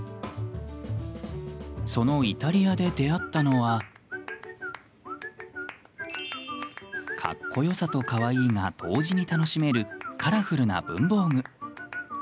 そのイタリアで出会ったのはかっこよさと、かわいいが同時に楽しめるカラフルな文房具。